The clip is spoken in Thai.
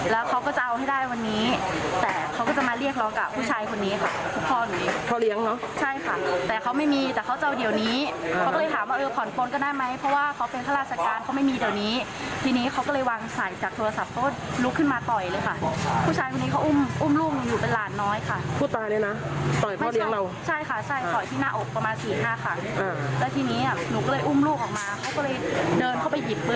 และทีนี้หนูก็ได้อุ้มลูกออกมาเขาก็เลยเดินเข้าไปหยิบปืนมายิงเลยค่ะ